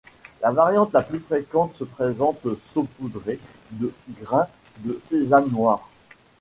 La variante la plus fréquente se présente saupoudrée de grains de sésame noir.